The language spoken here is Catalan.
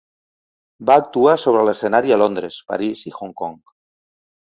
Va actuar sobre l'escenari a Londres, París i Hong Kong.